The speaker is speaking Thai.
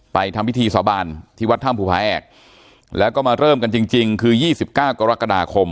ไปทำพิธีสบานที่วัดท่ามภูภาแอกแล้วก็มาเริ่มกันจริงจริงคือยี่สิบเก้ากรกฎาคม